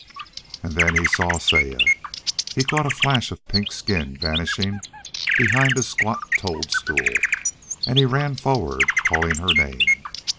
And then he saw Saya. He caught a flash of pink skin vanishing behind a squat toadstool, and he ran forward calling her name.